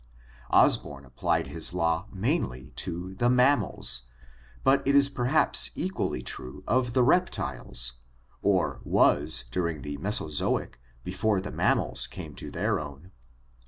Osborn applied his law mainly to the mammals, but it is perhaps 279 280 ORGANIC EVOLUTION equally true of the reptiles or was during the Mesozoic, before the mammals came to their own.